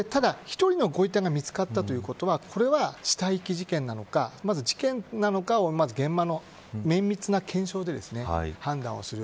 １人のご遺体が見つかったということは死体遺棄事件なのか事件なのかをまず現場の綿密な検証で判断をする